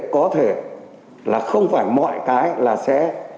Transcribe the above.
có thể là không phải mọi cái là sẽ